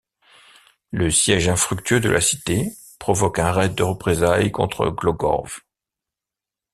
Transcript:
Le siège infructueux de la cité provoque un raid de représailles contre Głogów.